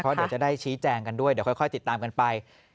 เพราะเดี๋ยวจะได้ชี้แจงกันด้วยเดี๋ยวค่อยติดตามกันไป